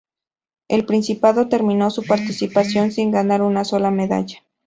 El Principado terminó su participación sin ganar una sola medalla.